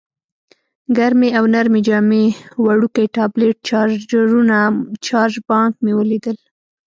ګرمې او نرۍ جامې، وړوکی ټابلیټ، چارجرونه، چارج بانک مې ولیدل.